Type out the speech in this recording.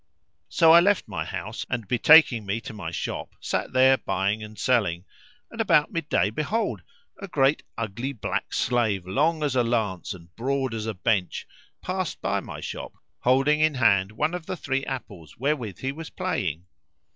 So I left my house and betaking me to my shop sat there buying and selling; and about midday behold, a great ugly black slave, long as a lance and broad as a bench, passed by my shop holding in hand one of the three apples wherewith he was playing.